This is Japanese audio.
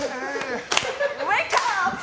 ウェイクアップ！